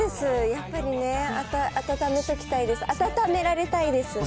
やっぱりね、温めておきたいですね。